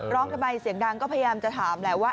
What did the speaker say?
ร้องกันไปเสียงดังก็พยายามจะถามแหละว่า